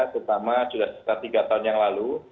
terutama sudah setelah tiga tahun yang lalu